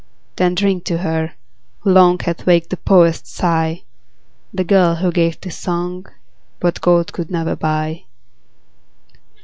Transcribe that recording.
Then drink to her, who long Hath waked the poet's sigh, The girl, who gave to song What gold could never buy.